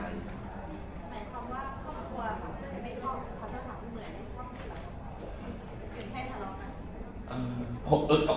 อย่างแค่ทะเลาะมัน